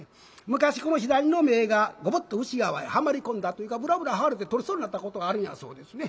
昔この左の目がゴボッと内側へはまり込んだというかブラブラ剥がれて取れそうになったことがあるんやそうですね。